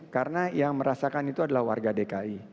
karena yang merasakan itu adalah warga dki